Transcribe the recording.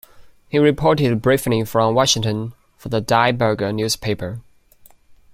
He reported briefly from Washington for the "Die Burger" newspaper.